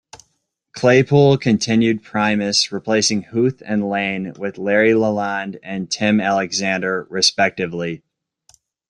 Claypool continued Primus, replacing Huth and Lane with Larry LaLonde and Tim Alexander, respectively.